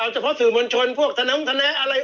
เอาเฉพาะสื่อบรรชนพวกทะนั้งทะแนะอะไร